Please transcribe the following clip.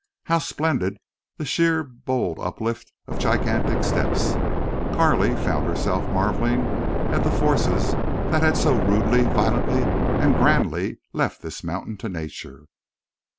How splendid the sheer bold uplift of gigantic steps! Carley found herself marveling at the forces that had so rudely, violently, and grandly left this monument to nature.